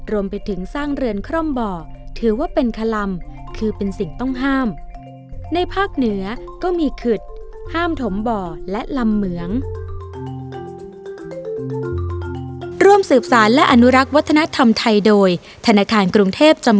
รวมไปถึงสร้างเรือนคร่อมบ่อถือว่าเป็นคลำคือเป็นสิ่งต้องห้ามในภาคเหนือก็มีขึดห้ามถมบ่อและลำเหมือง